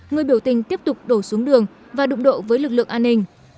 người biểu tình tiếp tục đổ xuống đường và đụng độ với lực lượng an ninh